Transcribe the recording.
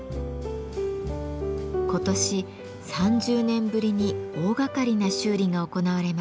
今年３０年ぶりに大がかりな修理が行われました。